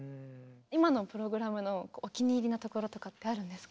今のプログラムのお気に入りのところとかってあるんですか？